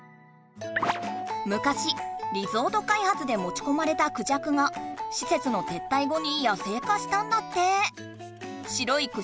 むかしリゾート開発でもちこまれたクジャクがしせつの撤退後に野生化したんだって。